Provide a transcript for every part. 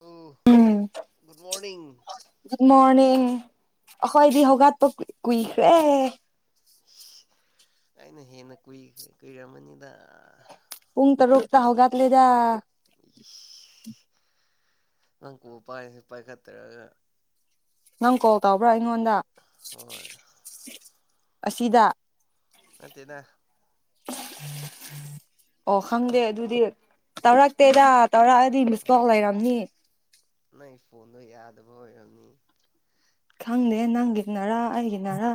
ꯑꯣ ꯎꯝ good morning ꯗꯨꯝ ꯃꯥꯅꯦ ꯑꯈꯣꯏꯗꯤ ꯍꯒꯥꯠꯄ ꯀꯨꯏꯈ꯭ꯔꯦ ꯑꯩꯅ ꯍꯦꯟꯅ ꯀꯨꯏ ꯀꯨꯏꯔꯝꯃꯅꯤꯗ ꯄꯨꯡ ꯇꯔꯨꯛꯇ ꯍꯧꯒꯠ ꯂꯦꯗ ꯏꯁ ꯅꯪ ꯀꯣꯛ ꯄꯥꯏꯁꯨ ꯄꯥꯏꯈꯠꯇ꯭ꯔꯒ ꯅꯪ ꯀꯣꯜ ꯇꯧꯕ꯭ꯔꯥ ꯑꯩꯉꯣꯟꯗ ꯍꯣꯏ ꯑꯁꯤꯗ ꯅꯠꯇꯦꯗ [inaudible] ꯑꯣ ꯈꯪꯗꯦ ꯑꯗꯨꯗꯤ ꯇꯧꯔꯛꯇꯦꯗ ꯇꯧꯔꯛꯑꯗꯤ ꯃꯤꯁꯀꯣꯜ ꯂꯩꯔꯝꯅꯤ ꯅꯪ ꯐꯣꯟꯗꯣ ꯌꯥꯗꯕ ꯑꯣꯏꯔꯝꯅꯤ ꯈꯪꯗꯦ ꯅꯪꯒꯤ ꯅꯔꯥ ꯑꯩꯒꯤꯅꯔꯥ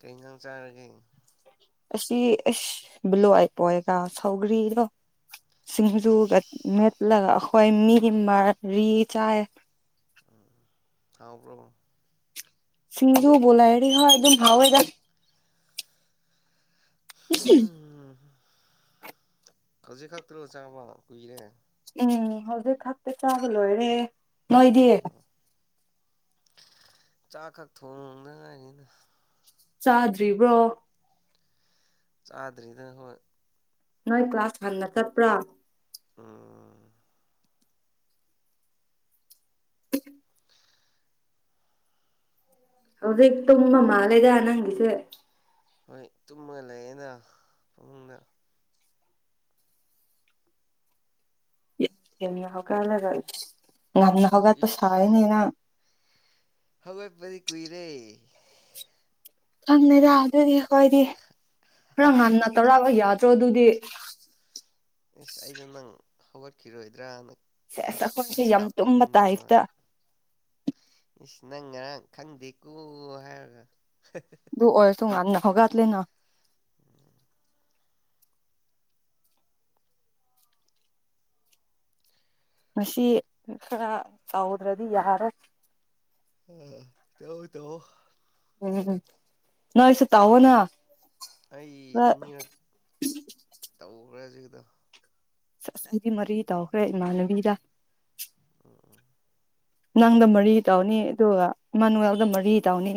ꯀꯩ ꯖꯥꯡ ꯆꯥꯔꯒꯦ ꯑꯁꯤ ꯑꯁ ꯕꯂꯣ ꯄꯣꯛꯑꯒ ꯁꯧꯒ꯭ꯔꯤꯗꯣ ꯁꯤꯡꯖꯨ ꯑꯁ ꯃꯦꯠꯂꯒ ꯑꯩꯈꯣꯏ ꯃꯤ ꯃꯔꯤ ꯆꯥꯏ ꯎꯝ ꯍꯥꯎꯕ꯭ꯔꯣ ꯁꯤꯡꯖꯨꯕꯨ ꯂꯩꯔꯗꯤ ꯍꯣꯏ ꯑꯗꯨꯝ ꯍꯥꯎꯋꯦꯗꯥ [unintelligible] ꯍꯝ ꯍꯧꯖꯤꯛ ꯈꯛꯇꯅꯣ ꯆꯪꯕ ꯀꯨꯏꯔꯦ ꯎꯝ ꯍꯧꯖꯤꯛ ꯈꯛꯇ ꯆꯥꯕ ꯂꯣꯏꯔꯦ ꯅꯣꯏꯗꯤ ꯎꯝ ꯆꯥꯛ ꯈꯛ ꯊꯣꯡ ꯗꯉꯥꯏꯔꯤꯗ ꯆꯥꯗ꯭ꯔꯤꯕ꯭ꯔꯣ ꯆꯥꯗ꯭ꯔꯤꯗ ꯍꯣꯏ ꯅꯣꯏ ꯀ꯭ꯂꯥꯁ ꯍꯟꯅ ꯇꯠꯄ꯭ꯔ ꯎꯝ [inaudible] ꯍꯧꯖꯤꯦꯛ ꯇꯨꯝꯕ ꯃꯥꯜꯂꯦꯗ ꯅꯪꯒꯤꯁꯦ ꯍꯣꯏ ꯇꯨꯝꯃ ꯂꯩꯌꯦꯗ ꯐꯃꯨꯡꯗ ꯊꯦꯡꯅ ꯍꯧꯒꯠꯂꯒ ꯏꯁ ꯉꯟꯅ ꯍꯧꯒꯠꯄ ꯁꯥꯏꯌꯦꯅꯦ ꯏꯁ ꯅꯪ ꯍꯧꯒꯠꯄꯗꯤ ꯀꯨꯏꯔꯦ ꯈꯪꯉꯦꯗ ꯑꯗꯨꯗꯤ ꯈꯣꯏꯗꯤ ꯈꯔ ꯉꯟꯅ ꯇꯧꯔꯛꯑꯕ ꯌꯥꯗ ꯗ꯭ꯔꯣꯗꯨꯗꯤ ꯑꯁ ꯑꯩꯗꯣ ꯅꯪ ꯍꯧꯒꯠꯈꯤꯔꯣꯏꯗ꯭ꯔꯅ ꯁꯦꯁ ꯑꯩꯈꯣꯏꯁꯦ ꯌꯥꯝ ꯗꯤꯁꯇꯥꯔꯕ ꯇꯨꯝꯕ ꯇꯧꯅꯤꯡꯗ꯭ꯔꯕ ꯇꯥꯏꯞꯇ ꯏꯁ ꯅꯪ ꯉꯔꯥꯡ ꯈꯪꯗꯦꯀꯣ ꯍꯥꯏꯔꯒ ꯗꯨ ꯑꯣꯏꯁꯨ ꯉꯟꯅ ꯍꯧꯒꯠꯛꯂꯤꯅ ꯃꯁꯤ ꯈꯔ ꯇꯧꯗ꯭ꯔꯗꯤ ꯌꯥꯔꯣꯏ ꯎꯝ ꯇꯧꯑꯣ ꯇꯧꯑꯣ ꯎꯝ ꯎꯝ ꯅꯣꯏꯁꯨ ꯇꯧꯑꯣꯅ ꯑꯩ ꯈꯔ ꯑꯅꯤꯔꯛ ꯇꯧꯒ꯭ꯔꯦ ꯍꯧꯖꯤꯛꯀꯤꯗꯣ [unintelligible] ꯃꯔꯤ ꯇꯧꯈ꯭ꯔꯦ ꯏꯃꯥꯟꯅꯕꯤꯗ ꯎꯝ ꯅꯪꯗ ꯃꯔꯤ ꯇꯧꯅꯤ ꯑꯗꯨꯒ ꯏꯃꯥꯅꯨꯋꯦꯜꯗ ꯃꯔꯤ ꯇꯧꯅꯤ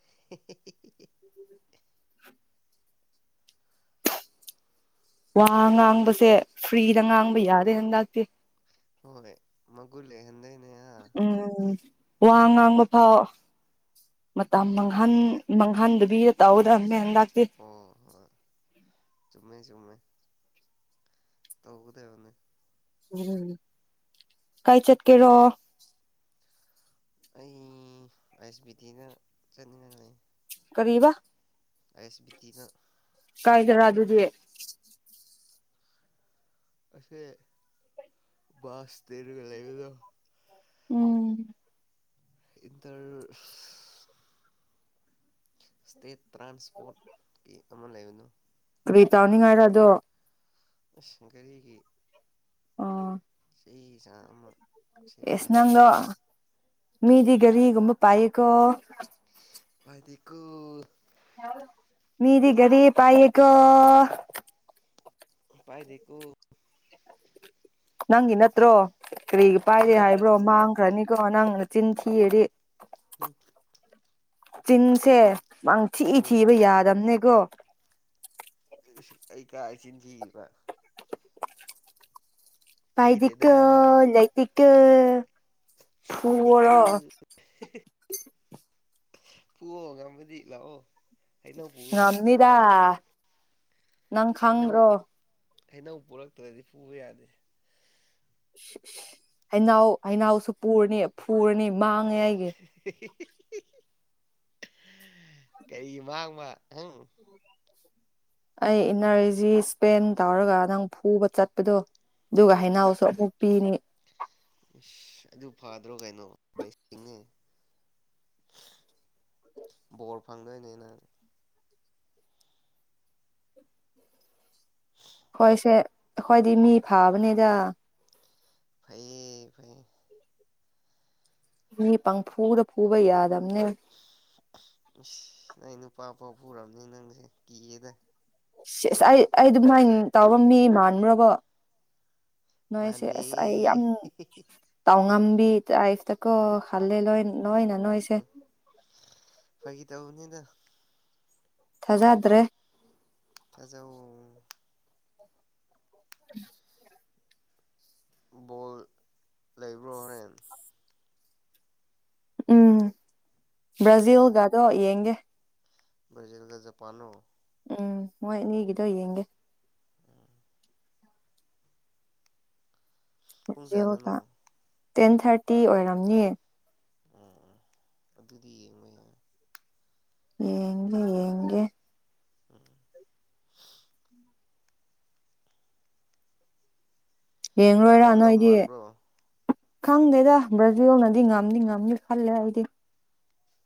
[inaudible] ꯋꯥ ꯉꯥꯡꯕꯁꯦ ꯐ꯭ꯔꯤꯗ ꯉꯥꯡꯕ ꯌꯥꯗꯦ ꯍꯟꯗꯛꯇꯤ ꯍꯣꯏ ꯃꯒꯨꯟ ꯂꯩꯍꯟꯗꯨꯏꯅꯦ ꯎꯝ ꯋꯥ ꯉꯥꯡꯕ ꯐꯥꯎ ꯃꯇꯝ ꯃꯥꯡꯍꯟ ꯃꯥꯡꯍꯟꯗꯕꯤꯗ ꯇꯧꯗꯝꯅꯦ ꯍꯟꯗꯛ ꯑꯣ ꯍꯣꯏ ꯆꯨꯝꯃꯦ ꯆꯨꯝꯃꯦ ꯇꯧꯒꯗꯕꯅꯤ [inaudible] ꯀꯥꯏ ꯆꯠꯀꯦꯔꯣ ꯑꯩ ꯑꯥꯏ ꯑꯦꯁ ꯕꯤ ꯇꯤꯗ ꯆꯠꯅꯤꯡꯉꯥꯏ ꯂꯩ ꯀꯔꯤꯕ ꯑꯥꯏ ꯑꯦꯁ ꯕꯤ ꯇꯤ ꯗ ꯀꯥꯏꯗꯔꯥ ꯑꯗꯨꯗꯤ ꯑꯁꯦ ꯕꯁ ꯁ꯭ꯇꯦꯟꯒ ꯂꯩꯕꯗꯣ ꯎꯝ ꯏꯇꯔ [inaudible] ꯁ꯭ꯇꯦꯠ ꯇ꯭ꯔꯥꯟꯁꯄꯣꯔꯠ ꯀꯤ ꯑꯃ ꯂꯩꯕꯗꯨ ꯀ꯭ꯔꯤ ꯇꯧꯅꯤꯡꯉꯥꯏꯔ ꯑꯗꯣ ꯑꯁ ꯒꯔꯤꯒꯤ ꯑꯣ ꯆꯦ ꯆꯥꯡ ꯑꯃ ꯑꯦꯁ ꯁꯦꯝꯅꯤꯡꯉꯥꯏ ꯂꯩꯕ ꯅꯪꯂꯣ ꯑꯗꯨꯝ ꯃꯤꯗꯤ ꯒꯔꯤꯒꯨꯝꯕ ꯄꯥꯏꯌꯦꯀꯣ ꯥꯄꯥꯏꯗꯦꯀꯣ ꯃꯤꯗꯤ ꯒꯔꯤ ꯄꯥꯏꯌꯦ ꯀꯣ ꯄꯥꯏꯗꯦꯀꯣ ꯅꯪꯒꯤ ꯅꯠꯇ꯭ꯔꯣ ꯀꯔꯤ ꯄꯥꯏꯗꯦ ꯍꯥꯏꯕ꯭ꯔꯣ ꯍꯨꯔꯥꯜꯂꯛꯄꯅꯤꯗ ꯃꯥꯡꯈ꯭ꯔꯅꯤꯀꯣ ꯅꯪ ꯆꯤꯟꯊꯤꯔꯗꯤ [inaudible] ꯆꯤꯟꯁꯦ ꯃꯥꯡ ꯊꯤ ꯎꯝ ꯊꯤꯕ ꯌꯥꯗꯝꯕꯅꯦꯀꯣ ꯑꯩ ꯀꯥꯏ ꯆꯤꯟ ꯊꯤꯔꯤꯕ ꯊꯤꯗꯦꯗ ꯄꯥꯏꯗꯦꯀꯣ ꯂꯩꯇꯦꯀꯣ ꯌꯥꯗꯦꯀꯣ ꯐꯨꯑꯣꯔꯣ ꯐꯨꯑꯣ ꯉꯝꯃꯗꯤ ꯂꯥꯛ ꯑꯦ ꯉꯝꯅꯤꯗ ꯅꯪ ꯍꯩꯅꯧ ꯈꯪꯗ꯭ꯔꯣ ꯍꯩꯅꯧ ꯄꯨꯔꯛꯇ꯭ꯔꯗꯤ ꯐꯨꯕ ꯌꯥꯗꯦ ꯏꯁ ꯏꯁ ꯍꯩꯅꯧ ꯍꯩꯅꯧꯁꯨ ꯄꯨꯔꯅꯤ ꯐꯨꯔꯅꯤ ꯃꯥꯡꯉꯦ ꯑꯩꯒꯤ ꯀꯔꯤ ꯃꯥꯡꯕ ꯍꯪ ꯑꯩ ꯏꯟꯅꯔꯖꯤ ꯁ꯭ꯄꯦꯟ ꯇꯧꯔꯒ ꯅꯪ ꯐꯨꯕ ꯆꯠꯄꯗꯣ ꯑꯗꯨꯒ ꯎꯝ ꯍꯩꯅꯧꯁꯨ ꯑꯃꯨꯛ ꯄꯤꯅꯤ ꯑꯗꯨ ꯐꯗ꯭ꯔꯣ ꯀꯩꯅꯣ ꯕꯣꯔ ꯐꯥꯡꯗꯣꯏ ꯅꯦꯅꯪ ꯍꯣꯏꯁꯦ ꯑꯩꯈꯣꯏꯗꯤ ꯃꯤ ꯐꯕꯅꯤꯗ ꯐꯩꯌꯦ ꯐꯩꯌꯦ ꯃꯤ ꯄꯪ ꯐꯨꯗ ꯐꯨꯕ ꯌꯥ ꯏꯁ ꯅꯪ ꯅꯨꯄꯥ ꯐꯥꯎ ꯄꯨꯔꯝꯅꯤ ꯅꯪꯁꯦ ꯀꯤꯑꯦꯗ ꯑꯁ ꯑꯩ ꯑꯩ ꯑꯗꯨꯃꯥꯏꯅ ꯇꯧꯕ ꯃꯤ ꯃꯥꯟꯕ꯭ꯔꯕꯣ ꯅꯣꯏꯁꯦ ꯃꯥꯟꯗꯦ ꯑꯁ ꯑꯩ ꯌꯥꯝ ꯇꯥꯎ ꯉꯝꯕꯤ ꯇꯥꯏꯞꯇꯀꯣ ꯍꯜꯗꯂꯦ ꯂꯣꯏ ꯂꯣꯏꯅ ꯅꯣꯏꯁꯦ ꯎꯝ ꯐꯥꯒꯤ ꯇꯧꯕꯅꯤꯗ ꯊꯥꯖꯗ꯭ꯔꯦ ꯊꯥꯖꯧꯑꯣ [unintelligible] ꯕꯣꯜ ꯂꯩꯕ꯭ꯔꯣ ꯍꯣꯔꯦꯟ ꯎꯝ ꯕ꯭ꯔꯥꯖꯤꯜꯒꯗꯣ ꯌꯦꯡꯒꯦ ꯕ꯭ꯔꯥꯖꯤꯜꯒ ꯖꯥꯄꯥꯟꯂꯣ ꯎꯝ ꯃꯣꯏ ꯑꯅꯤꯒꯤꯗꯣ ꯌꯦꯡꯒꯦ ꯎꯝ ꯄꯨꯡ ꯀꯌꯥꯗꯅꯣ ꯕ꯭ꯔꯥꯖꯤꯜꯒ ꯇꯦꯟ ꯊꯔꯇꯤ ꯑꯣꯏꯔꯝꯅꯤ ꯎꯝ ꯑꯗꯨꯗꯤ ꯌꯦꯡꯕ ꯌꯥꯏ ꯌꯦꯡꯕ ꯌꯦꯡꯒꯦ [unintelligible] ꯌꯦꯡ ꯀꯅꯥ ꯂꯣꯏꯔꯥ ꯉꯝꯗꯧ ꯅꯣꯏꯗꯤ ꯃꯥꯟꯕ꯭ꯔꯣ ꯈꯪꯗꯦꯗ ꯕ꯭ꯔꯥꯖꯤꯜꯅꯗꯤ ꯉꯝꯅꯤ ꯉꯝꯅꯤ ꯈꯜꯂꯦ ꯑꯩꯗꯤ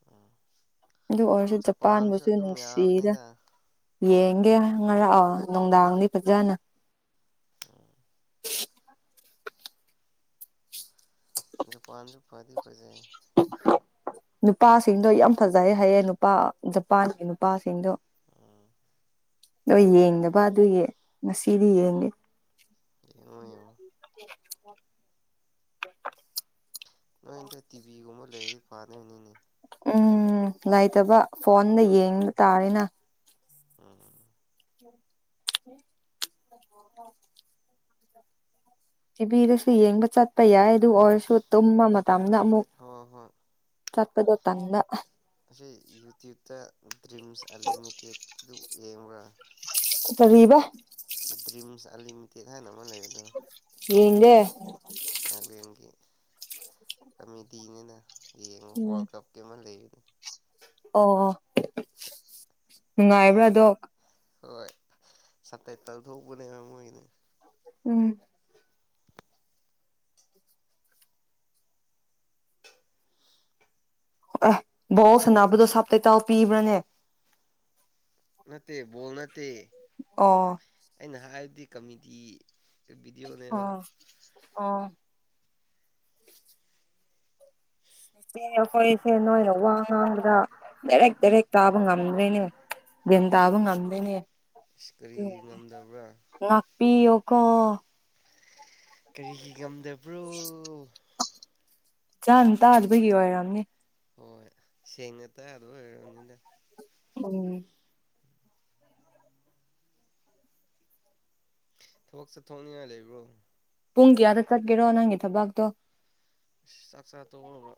ꯎꯝ ꯑꯗꯨ ꯑꯣꯏꯔꯁꯨ ꯖꯄꯥꯟꯁꯨ ꯖꯄꯥꯟꯕꯨꯁꯨ ꯑꯗꯨꯝ ꯅꯨꯡꯁꯤꯗ ꯌꯥꯕꯅꯤꯗ ꯌꯦꯡꯒꯦ ꯉꯔꯥꯡ ꯅꯨꯡꯗꯥꯡꯗꯤ ꯐꯖꯅ ꯎꯝ ꯖꯄꯥꯟꯁꯨ ꯐꯗꯤ ꯐꯖꯩ ꯅꯨꯄꯥꯁꯤꯡꯗꯣ ꯌꯥꯝ ꯐꯖꯩ ꯍꯥꯏꯌꯦ ꯅꯨꯄꯥ ꯖꯄꯥꯟꯒꯤ ꯅꯨꯄꯥꯁꯤꯡꯗꯣ ꯎꯝ ꯅꯣꯏ ꯌꯦꯡꯗꯅꯕ ꯑꯗꯨꯒꯤ ꯉꯁꯤꯗꯤ ꯌꯦꯡꯒꯦ ꯌꯦꯡꯉꯣ ꯌꯦꯡꯉꯣ [unintelligible] ꯅꯣꯏꯗ ꯇꯤꯚꯤꯒꯨꯝꯕ ꯂꯩꯔꯗꯤ ꯐꯥꯗꯣꯏꯅꯤꯅꯦ ꯎꯝ ꯂꯩꯇꯕ ꯐꯣꯟꯗ ꯎꯝ ꯌꯦꯡꯕ ꯇꯥꯔꯦꯅ ꯎꯝ [unintelligible] ꯇꯤꯕꯤꯗꯨꯁꯨ ꯌꯦꯡꯕ ꯆꯠꯄ ꯌꯥꯏ ꯑꯗꯨ ꯑꯣꯏꯔꯁꯨ ꯇꯨꯝꯕ ꯃꯇꯝꯗ ꯑꯃꯨꯛ ꯍꯣꯏ ꯍꯣꯏ ꯆꯠꯄꯗꯣ ꯇꯟꯕ ꯑꯁꯤ ꯌꯨꯇ꯭ꯌꯨꯕꯇ ꯗ꯭ꯔꯤꯝꯁ ꯑꯂꯤꯃꯤꯇꯦꯠꯗꯨ ꯌꯦꯡꯕ꯭ꯔꯥ ꯀꯔꯤꯕ ꯗ꯭ꯔꯤꯝꯁ ꯑꯟꯂꯤꯃꯤꯇꯦꯠ ꯍꯥꯏꯅ ꯑꯃ ꯌꯦꯡꯗꯦ ꯅꯥꯒꯂꯦꯟꯒꯤ ꯀꯃꯤꯇꯤꯅꯤꯅ ꯌꯦꯡꯉꯨ ꯎꯝ ꯋꯥꯔꯜ ꯀꯞꯀꯤ ꯑꯃ ꯂꯩ ꯅꯨꯡꯉꯥꯏꯕ꯭ꯔꯥꯗꯣ ꯍꯣꯏ ꯁꯕ ꯇꯥꯏꯇꯜ ꯇꯧꯊꯣꯛꯎꯕꯅꯦꯕ ꯃꯣꯏꯗꯤ ꯎꯝ ꯑꯦ ꯕꯣꯜ ꯁꯥꯟꯅꯕꯗ ꯁꯞ ꯇꯥꯏꯇꯜ ꯄꯤꯕ꯭ꯔꯥꯅꯦ ꯅꯠꯇꯦ ꯕꯣꯜ ꯅꯠꯇꯦ ꯑꯣ ꯑꯩꯅ ꯍꯥꯏꯕꯗꯤ ꯀꯃꯤꯇꯤ ꯑꯣ ꯑꯣ ꯆꯦ ꯑꯩꯈꯣꯏꯁꯦ ꯅꯣꯏꯅ ꯋꯥ ꯉꯥꯡꯕꯗ ꯗꯥꯏꯔꯦꯛ ꯗꯥꯏꯔꯦꯛ ꯇꯥꯕ ꯉꯝꯗ꯭ꯔꯦꯅꯦ ꯃꯦꯟ ꯇꯥꯕ ꯉꯝꯗꯦꯅꯦ ꯑꯁ ꯀꯔꯤ ꯉꯝꯗꯕ꯭ꯔꯥ ꯄꯤꯌꯨ ꯀꯣ ꯀꯔꯤꯒꯤ ꯉꯝꯗꯕ꯭ꯔꯣ ꯆꯥꯅ ꯇꯥꯗꯕꯒꯤ ꯑꯣꯏꯔꯝꯅꯤ ꯍꯣꯏ ꯁꯦꯡꯅ ꯇꯥꯗꯕꯒꯤ ꯑꯣꯏꯔꯝꯅꯤꯗ ꯎꯝ ꯊꯕꯛ ꯆꯠꯊꯣꯛꯅꯤꯡꯉꯥꯏ ꯂꯩꯕꯔꯣ ꯄꯨꯡ ꯀꯌꯥꯗ ꯆꯠꯀꯦꯔꯣ ꯅꯪꯒꯤ ꯊꯕꯥꯛꯇꯣ ꯆꯥꯛꯆꯥ ꯇꯣꯛꯑꯒ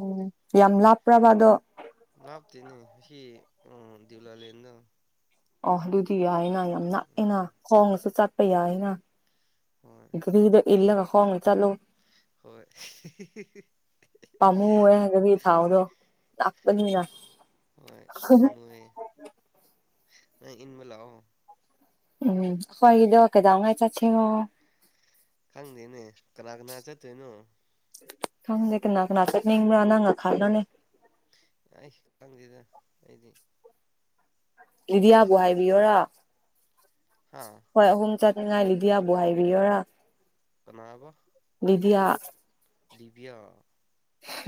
ꯎꯝ ꯌꯥꯝ ꯂꯥꯄ꯭ꯔꯕ ꯑꯗꯣ ꯂꯥꯞꯇꯦꯅꯦ ꯁꯤ ꯑꯥ ꯗꯤꯎꯌꯂꯦꯟꯗꯣ ꯑꯣ ꯑꯗꯨꯗꯤ ꯌꯥꯏꯅ ꯌꯥꯝ ꯅꯥꯛꯑꯦꯅ ꯈꯣꯡꯅꯁꯨ ꯆꯠꯄ ꯌꯥꯏꯅ ꯍꯣꯏ ꯀꯔꯤꯗ ꯏꯜꯂꯒ ꯈꯣꯡꯅ ꯆꯠꯂꯨ ꯍꯣꯏ ꯄꯥꯝꯃꯨꯌꯦ ꯑꯗꯨꯒꯤ ꯊꯥꯥꯎꯗꯣ ꯂꯥꯛꯄꯅꯤꯅ ꯑꯩ ꯏꯟꯕ ꯂꯥꯛꯑꯣ ꯎꯝ ꯍꯣꯏ ꯑꯗꯣ ꯀꯦꯗꯧꯉꯩ ꯆꯠꯆꯤꯔꯣ ꯈꯪꯗꯦꯅꯦ ꯀꯅꯥ ꯀꯅꯥ ꯆꯠꯇꯣꯏꯅꯣ ꯈꯪꯗꯦ ꯀꯅꯥ ꯀꯅꯥ ꯆꯠꯅꯤꯡꯕ꯭ꯔꯥ ꯅꯪꯅ ꯈꯪꯒꯅꯤ ꯑꯩ ꯈꯪꯗꯦꯗ ꯑꯩꯗꯤ ꯂꯤꯗꯤꯌꯥꯕꯨ ꯍꯥꯏꯕꯤꯌꯣꯔ ꯍꯥ ꯑꯩꯈꯣꯏ ꯑꯍꯨꯝ ꯆꯠꯅꯤꯡꯉꯥꯏ ꯂꯤꯗꯤꯌꯥꯕꯨ ꯍꯥꯏꯕꯤꯌꯨꯔ ꯀꯅꯥꯑꯕ ꯂꯤꯗꯤꯌꯥ ꯂꯤꯕꯤꯌꯥ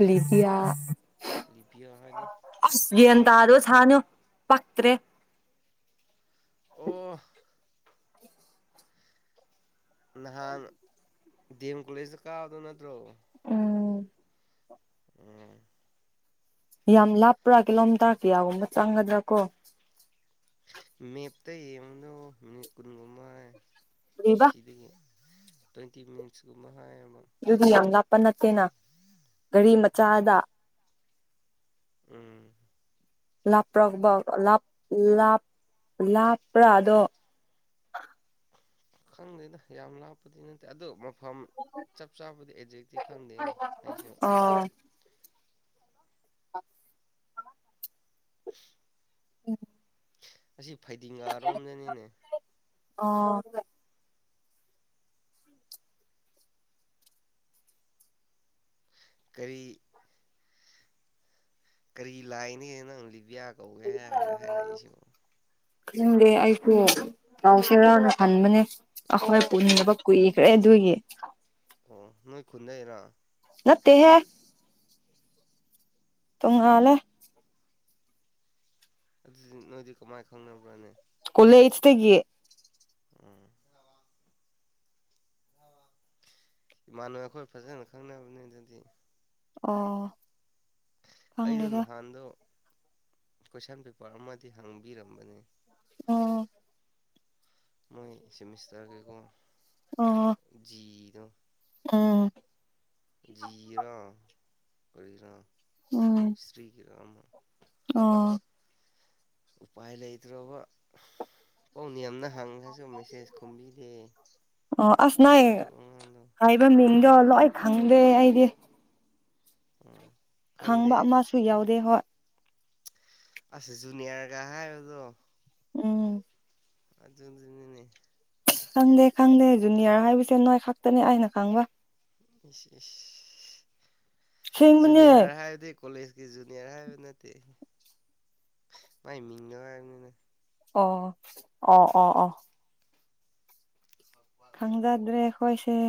ꯂꯤꯗꯤꯌ ꯂꯤꯕꯤꯌꯥ ꯍꯥꯏꯗꯤ ꯁꯦꯜ ꯇꯟꯔꯨ ꯁꯅꯨ ꯄꯛꯇ꯭ꯔꯦ ꯑꯣ ꯅꯍꯥꯟ ꯗꯦꯝ ꯀꯣꯂꯦꯖꯇ ꯀꯥꯕ ꯅꯠꯇ꯭ꯔꯣ ꯎꯝ ꯎꯝ ꯌꯥꯝ ꯂꯥꯞꯄ꯭ꯔꯥ ꯀꯂꯣꯝꯇꯥꯛ ꯀꯌꯥꯒꯨꯝꯕ ꯆꯥꯡꯒꯗ꯭ꯔꯥ ꯀꯣ ꯃꯦꯞꯇ ꯌꯦꯡꯉꯨꯅꯨ ꯃꯤꯅꯤꯠ ꯀꯨꯟꯒꯨꯝꯕ ꯀꯔꯤꯕ ꯁꯤꯗꯒꯤ ꯇ꯭ꯋꯦꯟꯇꯤ ꯃꯤꯠꯁꯒꯨꯝꯕ ꯍꯥꯏꯌꯣ ꯑꯗꯨꯗꯤ ꯌꯥꯝ ꯂꯥꯞꯄ ꯅꯠꯇꯦꯅ ꯒꯥꯔꯤ ꯎꯝ ꯃꯆꯥꯗ ꯎꯝ ꯂꯥꯞꯄ꯭ꯔꯕꯥ ꯂꯞ ꯂꯞ ꯂꯥꯞꯄ꯭ꯔꯥꯗꯣ [inaudible] ꯈꯪꯗꯦꯗ ꯌꯥꯝ ꯂꯥꯞꯄꯗꯤ ꯅꯠꯇꯦ ꯑꯗꯣ ꯃꯐꯝ ꯆꯞ ꯆꯥꯕꯗꯤ ꯑꯦꯛꯖꯦꯛꯇꯤ ꯈꯪꯗꯦ ꯑꯩꯁꯨ ꯑ [inaudible] ꯎꯝ ꯑꯁꯤ ꯐꯩꯗꯤꯡꯒꯥꯔꯣꯝꯗꯅꯤꯅꯦ ꯑꯣ ꯀꯔꯤ ꯀꯔꯤ ꯂꯥꯏꯅꯤ ꯅꯪ ꯂꯤꯕꯤꯌꯥ ꯀꯧꯒꯦ ꯍꯥꯏ ꯏꯠꯇ ꯍꯥꯏꯔꯛꯏꯁꯤꯕꯣ ꯈꯪꯗꯦ ꯑꯩꯁꯨ ꯄꯥꯎꯁꯦꯔꯥꯎꯅ ꯍꯟꯕꯅꯦ ꯑꯩꯈꯣꯏ ꯅꯣꯏ ꯄꯨꯅꯤꯡꯕ ꯀꯨꯏ ꯈꯔ꯭ꯦ ꯑꯗꯨꯒꯤ ꯑꯣ ꯅꯣꯏ ꯈꯨꯟꯗꯩꯔꯣ ꯅꯠꯇꯦ ꯍꯦ ꯇꯨꯡꯉꯥꯜꯂꯦ ꯑꯗꯨꯗꯤ ꯅꯣꯏꯗꯤ ꯀꯃꯥꯏꯅ ꯈꯪꯅꯕ꯭ꯔꯅꯦ ꯀꯣꯂꯦꯁꯇꯒꯤ ꯎꯝ ꯏꯃꯥꯟꯅꯅꯕ ꯑꯩꯈꯣꯏ ꯐꯖꯅ ꯈꯪꯅꯕꯅꯤ ꯑꯗꯨꯗꯤ ꯑꯣ ꯑꯩꯗꯨ ꯈꯪꯗꯦꯗ ꯅꯍꯥꯟꯗꯨ ꯀꯣꯏꯁꯟ ꯄꯦꯄꯔ ꯑꯃꯗꯤ ꯍꯥꯡꯕꯤꯔꯝꯕꯅꯦ ꯑꯣ ꯃꯣꯏ ꯁꯤꯃꯤꯁꯇ꯭ꯔꯒꯦꯀꯣ ꯑꯣ ꯖꯤ ꯗꯣ ꯎꯝ ꯖꯤꯒꯤꯔ ꯀꯔꯤꯔ ꯎꯝ ꯍꯤꯁꯇ꯭ꯔꯤꯒꯤꯔ ꯑꯃ ꯑꯣ ꯎꯄꯥꯏ ꯂꯩꯇ꯭ꯔꯕ ꯄꯥꯎ ꯅꯦꯝꯅ ꯍꯪꯉꯁꯨ ꯃꯦꯁꯦꯖ ꯈꯨꯝꯕꯤꯗꯦ ꯑꯣ ꯑꯁ ꯅꯥꯏ ꯑꯗꯨ ꯑꯉꯥꯡꯗꯣ ꯍꯥꯏꯕꯅꯤꯅꯦꯃꯤ ꯂꯣꯏ ꯈꯪꯗꯦ ꯑꯩꯗꯤ ꯎꯝ ꯈꯪꯗꯦ ꯈꯪꯕ ꯑꯃꯁꯨ ꯌꯥꯎꯗꯦ ꯍꯣꯏ ꯑꯁ ꯆꯨꯅꯤꯌꯥꯔꯒ ꯍꯥꯏꯕꯗꯣ ꯎꯝ ꯑ ꯑꯗꯨꯅꯤꯅꯦ ꯈꯪꯗꯦ ꯈꯪꯗꯦ ꯖꯨꯅꯤꯌꯥꯔ ꯍꯥꯏꯕꯁꯦ ꯅꯣꯏ ꯈꯛꯇꯅꯦ ꯑꯩꯅ ꯈꯪꯕ ꯏꯁ ꯏꯁ ꯁꯦꯡꯕꯅꯦ ꯖꯨꯅꯤꯌꯔ ꯍꯥꯏꯕꯗꯤ ꯀꯣꯂꯦꯖꯀꯤ ꯖꯨꯅꯤꯌꯔ ꯍꯥꯏꯕ ꯅꯠꯇꯦ ꯃꯥꯏ ꯃꯤꯡꯅ ꯍꯥꯏꯕꯅꯤꯅ ꯑꯣꯑꯣꯑꯣ ꯑꯣ ꯈꯪꯖꯗ꯭ꯔꯦ ꯑꯩꯈꯣꯏꯁꯦ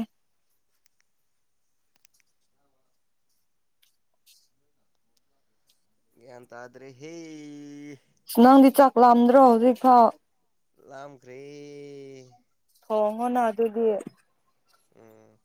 ꯒ꯭ꯌꯥꯟ ꯇꯗ꯭ꯔꯦꯍꯦ ꯅꯪꯗꯤ ꯆꯥꯛ ꯂꯥꯝꯗ꯭ꯔꯣ ꯍꯧꯖꯤꯛꯐꯥꯎ ꯂꯥꯝꯒ꯭ꯔꯦ ꯊꯣꯡꯉꯣꯅ ꯑꯗꯨꯒꯤ ꯎꯝ